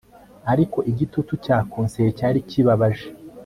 Ariko igitutu cya Konseye cyari kibabaje